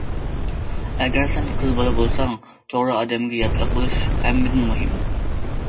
ئەگەر سەن قىز بالا بولساڭ، توغرا ئادەمگە ياتلىق بولۇش ھەممىدىن مۇھىم.